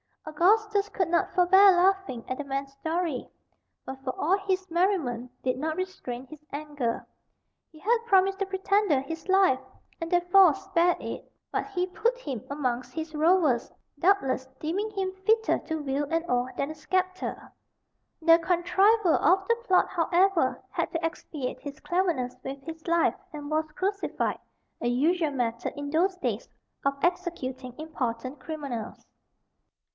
Augustus could not forbear laughing at the man's story; but, for all his merriment, did not restrain his anger. He had promised the pretender his life, and, therefore, spared it; but he put him amongst his rowers, doubtless deeming him fitter to wield an oar than a sceptre. The contriver of the plot, however, had to expiate his cleverness with his life, and was crucified, a usual method, in those days, of executing important criminals.